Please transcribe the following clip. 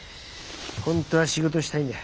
本当は仕事したいんだ。